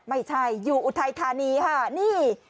ไม่ใช่อยู่อุทัยธานีค่ะนี่